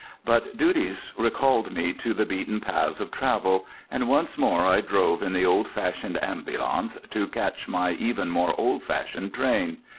But duties recalled me to the beaten paths of travel, and once more I drove in the old fashioned ambulance to catch my even more old fashioned train.